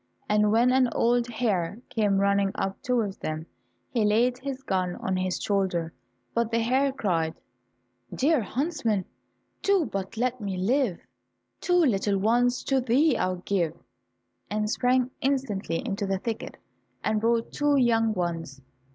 And when an old hare came running up towards them, he laid his gun on his shoulder, but the hare cried, "Dear huntsman, do but let me live, Two little ones to thee I'll give," and sprang instantly into the thicket, and brought two young ones.